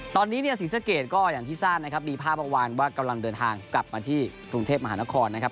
ตอนนี้เนี่ยศรีสะเกดก็อย่างที่ทราบนะครับมีภาพเมื่อวานว่ากำลังเดินทางกลับมาที่กรุงเทพมหานครนะครับ